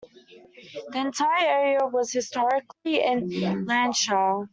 The entire area was historically in Lancashire.